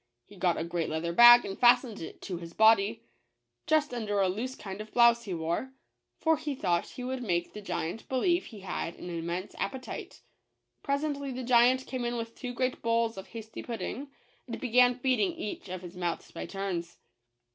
He got a great leather bag and fastened it to his body, just under a loose kind of blouse he wore, for he thought he would make the giant believe he had an immense appetite. Presently the giant came in with two great bowls of hasty pud ding, and began feeding each of his mouths by turns.